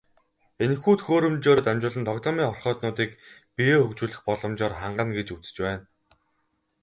Энэхүү төхөөрөмжөөрөө дамжуулан тоглоомын хорхойтнуудыг биеэ хөгжүүлэх боломжоор хангана гэж үзэж байна.